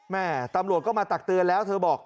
แม่ตำรวจก็มาตักเตือนแล้วเธอบอก